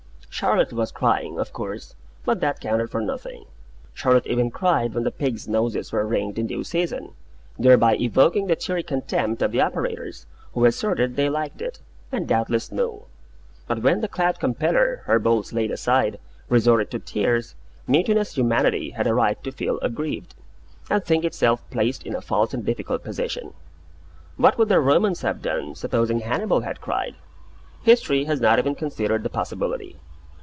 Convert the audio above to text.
Charlotte was crying, of course; but that counted for nothing. Charlotte even cried when the pigs' noses were ringed in due season; thereby evoking the cheery contempt of the operators, who asserted they liked it, and doubtless knew. But when the cloud compeller, her bolts laid aside, resorted to tears, mutinous humanity had a right to feel aggrieved, and placed in a false and difficult position. What would the Romans have done, supposing Hannibal had cried? History has not even considered the possibility.